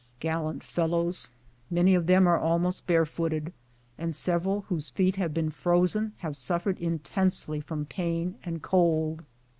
"Grallant fellows! Many of them are almost barefooted, and several whose feet have been frozen have suffered in tensely from pain and cold.